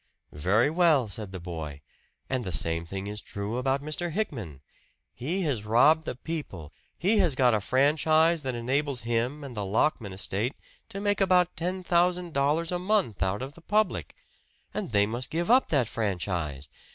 "Very well," said the boy; "and the same thing is true about Mr. Hickman. He has robbed the people. He has got a franchise that enables him and the Lockman estate to make about ten thousand dollars a month out of the public. And they must give up that franchise!